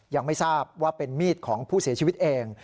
ยังไม่ทราบว่าเป็นมีดของผู้เสียชีวิตเอง